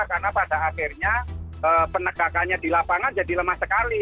karena pada akhirnya penegakannya di lapangan jadi lemah sekali